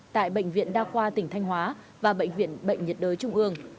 tại bệnh viện đa khoa tỉnh thanh hóa và bệnh viện bệnh nhiệt đới trung ương